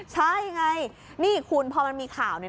ใช่ไงนี่คุณพอมันมีข่าว